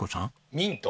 ミント？